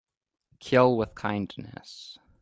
Kill with kindness